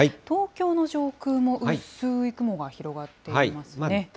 東京の上空も薄い雲が広がっていますね。